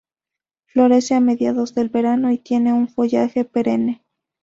Florece a mediados del verano y tiene un follaje perenne.